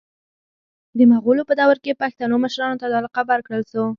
د مغولو په دور کي پښتنو مشرانو ته دا لقب ورکړل سو